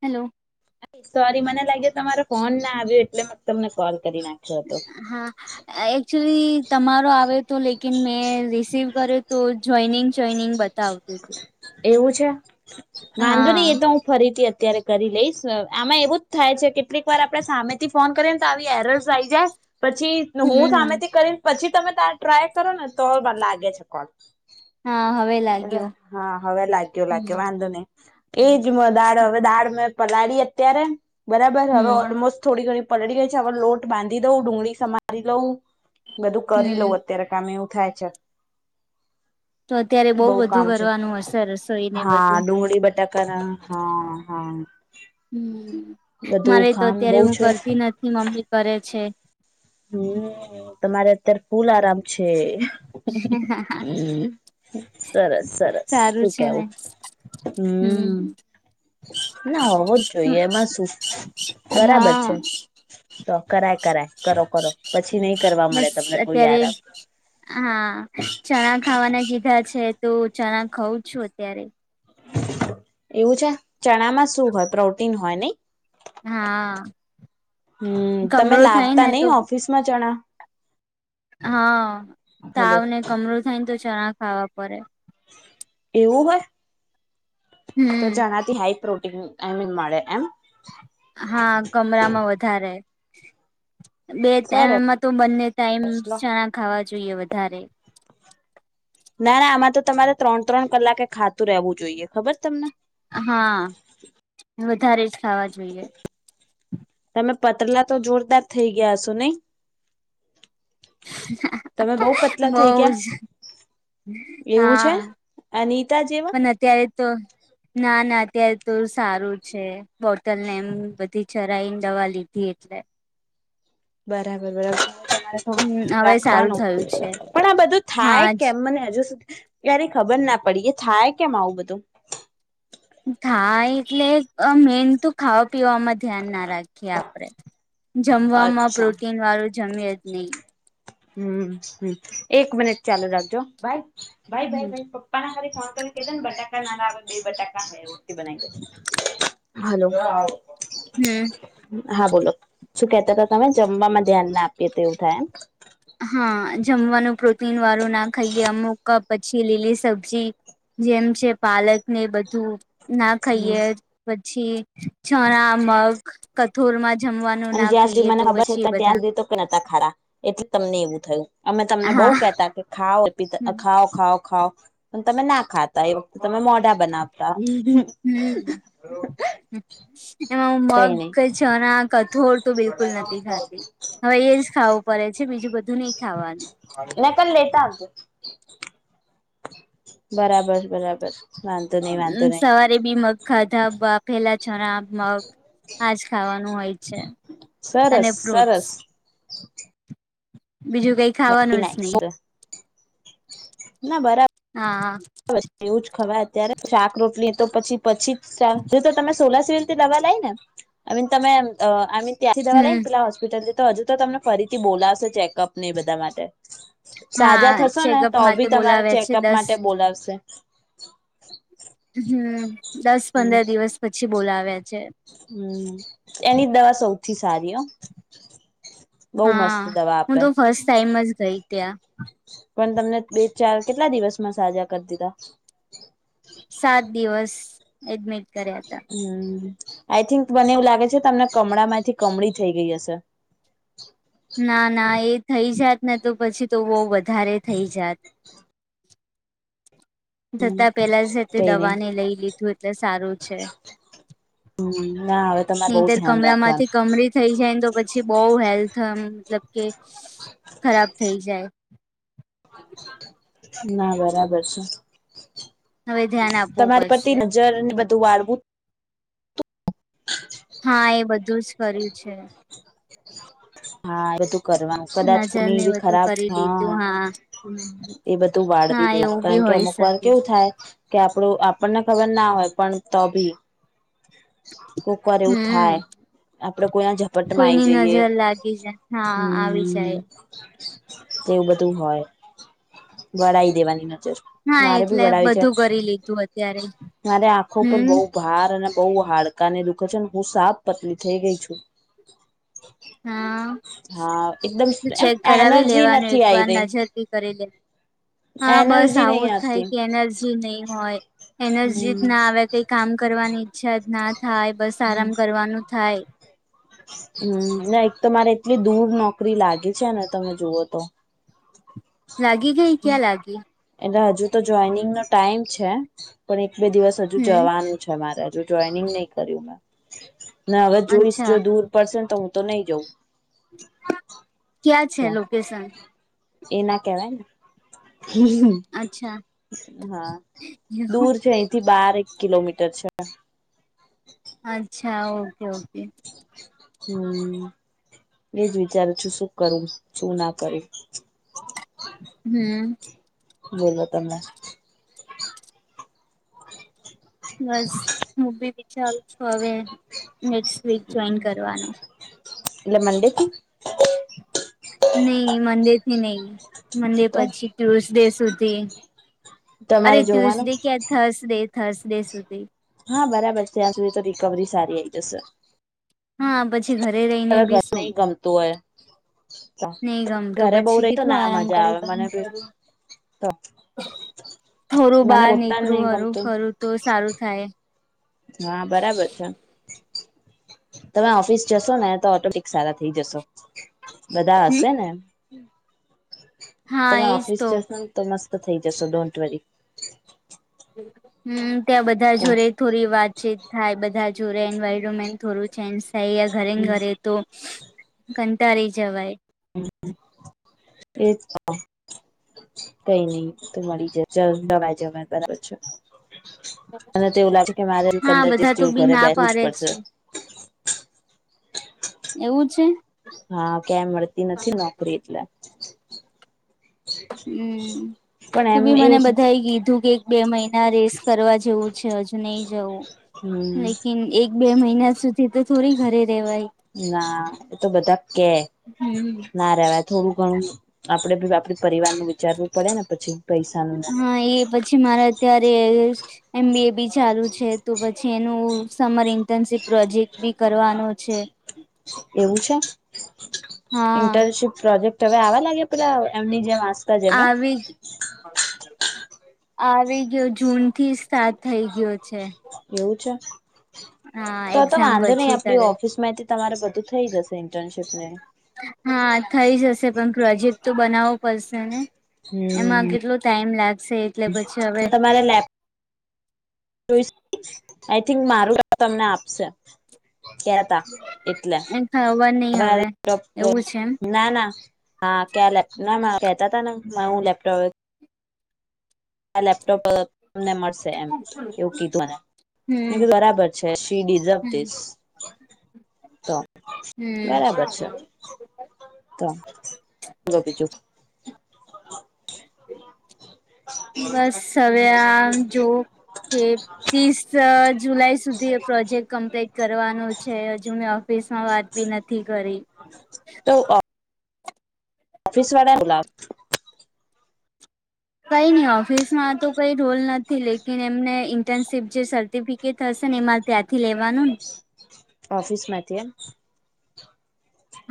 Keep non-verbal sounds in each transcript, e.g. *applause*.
Hello sorry મને લાગે તમારો ફોન ના આવ્યો એટલે મે તમને કોલ કરી નાખ્યો હતો હમ એકચુલી તમારો આવે તો લેકિન મેં રિસીવ કર્યો તો જોઈનિંગ ચઈનિંગ બ આવતી હતું એવું છે વાંધો નહી હા એ તો હું ફરીથી અત્યારે કરી લઈશ આમાં એવું જ થાય છે કેટલીક વાર આપડે સામે થી ફોન કરીએને તો આવી એર સાઈ જાય પછી હું હમ સામેથી કરી પછી તમે તાર ટ્રાય કરો ને તો લાગે છે કોલ હા હવેલા એટલે હા હવે લાગ્યો લાગ્યો વાંધો નહી એજ દાળ હવે દાળ મેં પલાળી અત્યારે બરાબર હવે હમ ઓલમોસ્ટ થોડી ઘણી પલળ ગઈ છે લોટ બાંધી દઉં ડુંગળી સમારી લઉં બધું કરી લઉ હમ અત્યારે કામમે એવું થાય છે તો અત્યારે બઉ બહ બધું કામ છે કરવાનું હશે રસોઈ ને હા બધું ડુંગળી બટાકા હા હા હમ બધું મારે તો કામ બઉ અત્યારે હું છે કરતી નથી મમ્મી કરે છે હમ તમારે અત્યારે ફૂલ આરામ છે હમ સરસ સરસ સારું શું છે ને કેવું હમ ના હોવો જ જોઈએ એમાં શું બરાબર છે હા તો કરાય કરાય કરો કરો પછી નહી કરવા મળે બસ તમને કોઈ અત્યારે આરામ હા ચણા ખાવાના કીધા છે તોું ચણા ખાઉં છું અત્યારે એવું છે? ચણામાં શું હોય, પ્રોટીન હોય નહીં? હા હમ્મ. તમે કમરો થાય ને લાવતા તો નઈ ઓફિસમાં ચણા? હા, હલો તાવ ને કમરું થાય ને તો ચણા ખાવા પડે. એવું હોય? તો હમ ચણા થી હાઈ પ્રોટીન એમીન મળે એમ? હા, કમરામાં વધારે બે સરસ ટેમમાં તો બંને ટાઈમ લો સણા ખાવા જોઈએ વધારે. ના, ના આમાં તો તમારે ત્રણ-ત્રણ કલાકે ખાતું રહેવું જોઈએ. ખબર છ તમને? હા. વધારે જ ખાવા જોઈએ. તમે પતલા તો જોરદાર થઇ ગયા હશો નહીં? તમે બહુ પતલા બઉ થઈ ગયા જ. એવું છે હા. અનિતા જેવા પણ અત્યારે તો ના, ના અત્યારે તો સારું છે. બોટલ ને એમ બધી ચરાઈન દવા લીધી એટલે. બરાબર *unintelligible* *unintelligible* ધ્યાન હમ હવે સારું રાખવાનું, થયું છે પણ આ બધું થાય હા જ કેમ મને હજુ સુધી ક્યારેય ખબર ના પડી, એ થાય કેમ આવું બધું? થાય એટલે મેનતું ખાવા પીવામાં ધ્યાન ના રાખીએ આપડે. જમવામાં અચ્છા પ્રોટીન વાળું જમે જ નહીં. હમ્મ-હમ્મ, એક મિનિટ ચાલુ રાખજો હો, હમ બાય-બાય-બાય. *inaudible* હલો. હમ હા બોલો. શું કેતા તા તમે? જમવામાં ધ્યાન ના આપીએ તો એવું થાય એમ? હા. જમવાનું પ્રોટીન વાળું ના ખઈએ અમુક પછી લીલી સબ્જી જેમ છે પાલક ને એ બધું ના એમ ખઈએ, હમ પછી ચણા, મગ કઠોળ માં જમવાનું અને ના જ્યાં સુધી ખઈએ મને તો ખબર છે પછી બધા *unintelligible* ખારા એટલે તમને એવું થયું, અમે તમને બઉ હા કેતા કે ખાઓ હમ *unintelligible* ખાવ-ખાાવ-ખાવ, પણ તમે ના ખાતા *inaudible* તમે મોઢા બનાવતા હમ્મ, એમાં હું કઈ નઈ મગ *unintelligible* ચણા કઠોળ તો બિલકુલ નથી ખાતી. હવે એ જ ખાવું પડે છે, બીજું બધું નહીં ખાવાનું. *unintelligible* લેતા આવજો. બરાબર-બરાબર. સવારે બી મગ ખાધા, બાફેલા ચણા, મગ, આ જ ખાવાન હોય છે. અને ફ્રૂટ્સ સરસ-સરસ. બીજું કંઈક *inaudible* ના બરા હા. એવું જ ખવાય અત્યારે, શાક રોટલી તો એ પછી-પછી જ શાક, જો તો તમે *unintelligible* સિવિલથી દવા લાઈ ને? આઈ મીન તમે અહ આઈ મીન ત્યાંથી દવા હમ લાઈન પેલા હોસ્પિટલે તો હજુ તો તમને ફરીથી બોલાવશે ચેકઅપ ને એ બધા માટે. સાજા હા થશો ને ચેકઅપ તો માટે બી તમારા બોલાવે છે ચેકઅપ દસ માટે બોલાવશે. હમ્મ. દસ પંદર દિવસ પછી બોલાવ્યા છે. હમ્મ. એની દવા સૌથી સારી હો. બહુ મસ્ત હા. દવા હું આપે તો ફર્સ્ટ ટાઈમ જ ગઈ ત્યાં. પણ તમને બે ચાર, કેટલા દિવસમાં સાજા કર દીધા? સાત દિવસ, એડમિટ કર્યા તા. હમ્મ. આઈ થિંક મને એવું લાગે છે તમને કમળામાંથી કમળી થઈ ગઈ હશે. ના ના એ થઈ જાત ને તો પછી તો બહું વધારે થઈ જાત. હમ જતા પેલા છે તે કઈ નહી દવાને લઈ લીધી. એટલે સારું છે, હમ ના હવે તમારે બહુ નીંદર ધ્યાન કમરા માંથી રાખવાનું કમરી થઈ જાય ને તો પછી બહઉ હેલ્થ મતલબ કે ખરાબ થઇ જાય. ના બરાબર છે. હવે ધ્યાન આપ તમારી પ્ર નજર ને બધું વાળવું. હા એ બધુંજ કર્યું છે. હા એ બધું કરવાનું કદાચ નજર કોની એ ને બી બધું ખરાબ કરી હા. લીધું એ બધું વાળવી હા દેનું એવું બી કારણ કે હોય અમુક વાર શકે કેવું થાય. કે આપડું આપણને ખબર ના હોય પણ તોભી. કુકર એવું હમ થાય, આપડે કોઈના ઝપટમાં આવી કોઈની જઈએ. નજર લાગી જાય હા આવી હમ. જાય એવું બધું હોય, વળઈ દેવાની નજર. હા મારેભી એટલે વડાવી છે, બધું કરી લીધું અત્યારે મારે આંખો ઉપર હમ બહુ ભાર અને બહુ હાડકા ને દુઃખે છે ને હું સાફ પતલી થઈ ગઈ છું. હા, હા એકદમ એમ ચેક કરાવી એનર્જી લેવાનું નથી એક આઈ વાર રહી નજરથી કરી લેવા. હા બસ એનર્જી નહી આવું જ થાય આવતી કે એના નહી હોય, એનર્જીત હમ ના આવે કઈ કામ કરવાની ઈચ્છા ના થાય. બસ આરામ કરવાનું થાય. હમ ના એક તો મારે એટલી દૂર નોકરી લાગી છે ને તમે જુવઓ તો. લાગી ગઈ ક્યાં લાગી? એટલે હજુ તો જોઈનિંગ નો ટાઈમ છે, પણ એક બે દિવસ હજુ હમ જવાનું. મારે જોઈનંગ નહી કર્યું મે, હવે જોઈ અચ્છા દૂર પડશેને તો હું તો નહી જઉં. ક્યાં છે તો લોકેશન? એ ના કેહવાય. અચ્છા હા, એવું? દૂર છે અહીંથી બાર એક કિલોમીટર છે. અચ્છા ઓકે ઓકે. હમ. એજ વિચારું છું શું કરું શું ના કર્યું. હમ. બોલો તમે. બસ હું બી વિચારું છું હવે નેક્સ્ટ વીક જોઈન કરવાનું. એલે મનડેથી. નહી મનડેથી નહી, મનડે તો પછી ટ્યુઝડે સુધી. અરે તમારે જોવાનું ટ્યુસડે ક્યા થર્સડે થર્સડે સુધી. હા બરાબર છે ત્યાં સુધી તો રિકવરી સારી આવીઈ જશે. હા પછી ઘરે રહીને હવે ઘર બીશું. નહી ગમતું હોય તો નહી ગમતું ઘરે બઉ પછી રહી તો કેટલું ના આરામ મજા કરેક આવે મને કરું. તો થોડું મને બહાર પોતાને નીકળું નહી હરું ગમતું ફરું તો સારું થાય. હા બરાબર છે. તમે ઓફિસ જશો ને તો ઓટોપિક સારા થઇ જશો, બધા હશે ને. હા તમે એજ ઓફિસ તો જશોને તો મસ્ત થઈ જશો ડોન્ટવરી. હમ ત્યાં બધા તો જોડે થોડી વાતચીત થાય બધા જોડે એન્વાયરમેન્ટ. થોડું ચેન્જ થાય ઘરે ઘરે તો, ઘંટા રહી જવાય. હ એજ. કઈ નઈ તો મળી જ નવાઈ જવાય બરાબર છે. અને તોવું લાગે કે મારે હા પંદર દિવસ બધા તો જેવું બી ઘરે ના બેઠવું જ પાડે પડશે. છે એવું છે? હા ક્યાંય મળતી નથી નોકરી એટલે હમ્મ પણ તું એમ બી મને એવું બધા થાય કીધું કે બે મહિના રેસ કરવા જેવું છે હજુ નહી જવું હમ લેકિન એક બે મહિના સુધી તો થોડી ઘરે રેવાય. ના એતો બધા કે. હમ ના રહેવાય થોડું ઘણું આપડે આપે પરિવાર ન વિચારવું પડે ને પછી. પૈસાનું હા એ પછી મારે અત્યારે એમ બી એ બી ચાલુ છે તો પછી એનું સમર ઇન્ટર્નશીપ પ્રોજેક્ટ બી કરવાનો છે. એવું છે હા ઇન્ટર્નશિપ પ્રોજેક્ટ હવે આવા લાગે પેલા એમની જેમ આસ આવી આવી ગયો જૂન થી સ્ટાર્ટ થઈ ગયો છે. એવું છે. હા તો તો એક્ઝામ વાંધો નહી પછી આપડી તરત ઓફિસ માંથી તમારે બધું થઇ જશે ઇન્ટર્નશીપ ને. હા થઈ જશે પણ પ્રોજેક્ટ તો બનાવવો પડશે ને. એમાં હમ કેટલો ટાઈમ લાગશે. એટલે પછી હવે તમારે લેપ જોઈ આઈ થિંક મારું તમને આપશે. કેતા એટલે એ ખબર નહી હ હવે એવું છે એમ ના ના. હા ક્યા લેપો ના કતા હતા ને હું લેપટોપ આ લેપટોપ તમને મળશે એમ એવું કીધુંને. એ તો હમ બરાબર છે શી ડીઝવ હમ થીસ. તો હમ બરાબર છે. ત બ બીજું બસ હવે આ જો કે ત્રીસ જુલાઈ સુધી એ પ્રોજેક્ટ કમ્પ્લીટ કરવાનો છે હજુ મે ઓફિસ વાત બી નથી કરી. તો અ ઓફિસ વાળા બોલાવ કઈ નહી ઓફિસ માં તો કઈ રોલ નથી લેકીન એમને ઇન્ટર્નશીપ જે સર્ટિફિ કેટ થશે ને એ મારે ત્યાંથી લેવાનુંન ઓફિસમાંથી એમ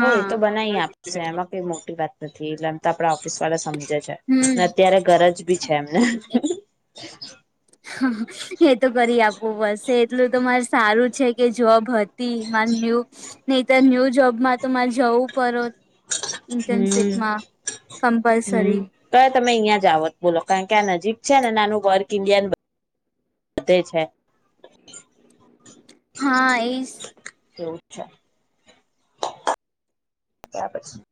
હો એ હા તો બનાઈ આપશે એમાં કઈ મોટી વાત નથી એટલેમ તો આપડા ઓફિસ વાળા સમજે છે હમ અત્યારે ઘરજ બી છે એમને. હા એ તો કરી આપું બસે એટલું તો મારે સારું છે કે જોબ હત તી મારે ન્યૂ નહીતર ન્યૂ જોબમાં તો મારે જવું પડત હમ ઇન્ટરનશિપમાં કંપલસરી તય તમે અહીં જાવ જ બોલો કારણ કે આ નજીક છે ને નાનું વર્ક ઇન્ડિયન વધ છે. હા એજ એવું છે. તા પછી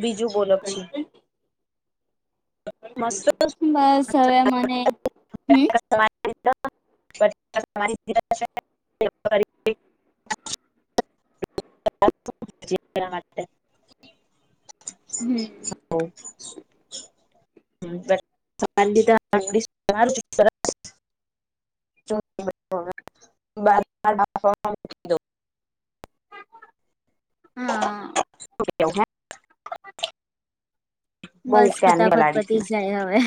બીજું બોલક છે. મ *inaudible* બસ હવે મને હમ. *inaudible* હ *inaudible* હમ્મ હો હ આપ *inaudible* *inaudible* હા હ *inaudible* બહુ બસ ક્યારની ફટાફત પલાળી પતી જ જાય હવે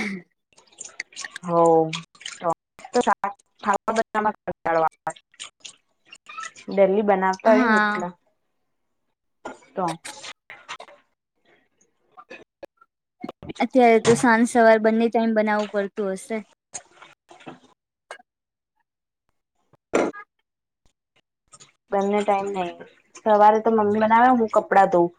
હા બમાં *inaudible* દલી બનાવતા હોય હા લા તો *inaudible* અત્યારે તો સાંજ સવાર બંને ટાઈમ બનાવવું પડતું હશે *inaudible* બંને ટાઈમ નહી સવારે તો મમ્મી બનાવે હું કપડાં ધઉં